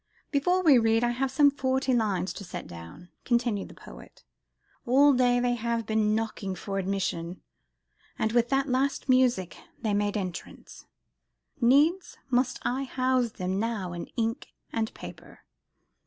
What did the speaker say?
"Before we read, I have some forty lines to set down," continued the poet, "all day they have been knocking for admission, and with that last music they made entrance. Needs must I house them now in ink and paper."